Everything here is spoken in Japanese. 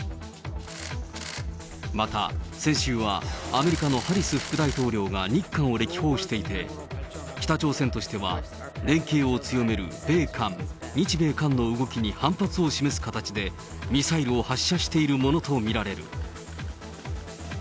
また先週は、アメリカのハリス副大統領が日韓を歴訪していて、北朝鮮としては、連携を強める米韓、日米韓の動きに反発を示す形で、ミサイルを発射しているものと見られる。